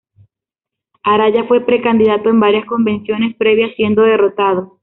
Araya fue precandidato en varias convenciones previas siendo derrotado.